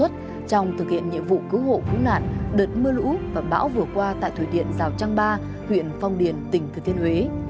trong thực hiện nhiệm vụ cứu hộ cứu nạn đợt mưa lũ và bão vừa qua tại thủy điện rào trăng ba huyện phong điền tỉnh thừa thiên huế